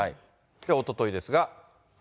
おとといですが。